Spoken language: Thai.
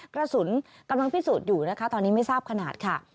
กระสุนกำลังพิสูจน์อยู่นะคะตอนนี้ไม่ทราบขนาดค่ะ